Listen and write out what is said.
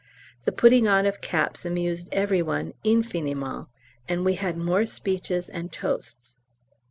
The putting on of caps amused every one infiniment, and we had more speeches and toasts.